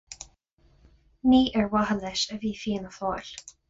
Ní ar mhaithe leis a bhí Fianna Fáil.